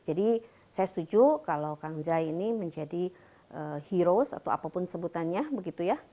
jadi saya setuju kalau kang zae ini menjadi hero atau apapun sebutannya begitu ya